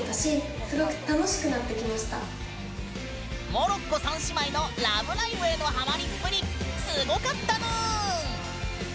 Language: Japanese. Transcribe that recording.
モロッコ３姉妹の「ラブライブ！」へのハマりっぷり、すごかったぬーん。